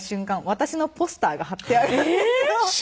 私のポスターが貼ってあるんですよ